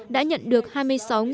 đã nhận được hai mươi sáu bộ phòng